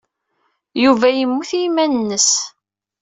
Yuba yemmut i yiman-nnes.